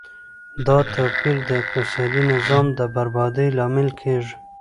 دا توپیر د اقتصادي نظام د بربادۍ لامل کیږي.